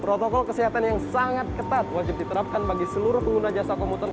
protokol kesehatan yang sangat ketat wajib diterapkan bagi seluruh pengguna jasa komuter